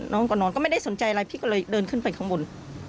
น้องก็นอนก็ไม่ได้สนใจอะไรพี่ก็เลยเดินขึ้นไปข้างบน